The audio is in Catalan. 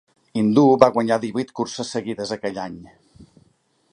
Hindoo va guanyar divuit curses seguides aquell any.